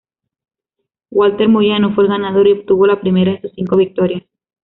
Walter Moyano fue el ganador y obtuvo la primera de sus cinco victorias.